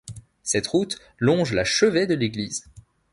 Cette route longe la chevet de l'église.